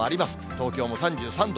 東京も３３度。